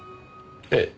ええ。